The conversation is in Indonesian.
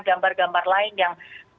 gambar gambar lain yang